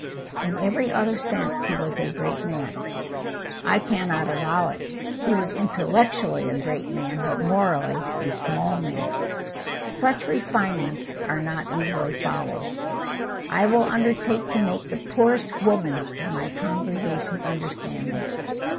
"In every other sense he was a great man." "I cannot allow it. He was intellectually a great man, but morally a small man." "Such refinements are not easily followed." "I will undertake to make the poorest woman in my congregation understand that."